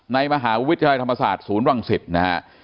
ในมหาวิทยาลัยธรรมศาสตร์ศูนย์วังศิษย์นะฮะ